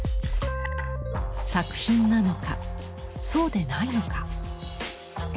作品なのかそうでないのか。